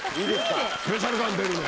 スペシャル感出るね。